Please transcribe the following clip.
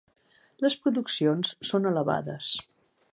Les produccions són elevades.